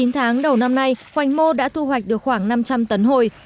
chín tháng đầu năm nay hoành mô đã thu hoạch được khoảng năm trăm linh tấn hồi